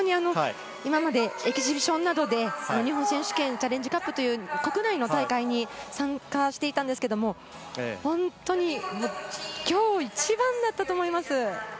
私、本当に今までエキシビジョンなどで、日本選手権、チャレンジカップという国内の大会に参加していたんですけれど、今日一番だったと思います。